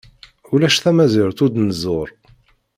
Ulac tamazirt ur d-nzuṛ.